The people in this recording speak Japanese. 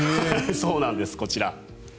そうなんです、こちら。